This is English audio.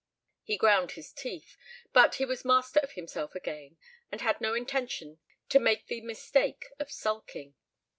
He ground his teeth, but he was master of himself again and had no intention to make the mistake of sulking.